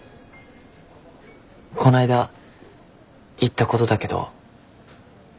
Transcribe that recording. こないだ言ったごどだけど。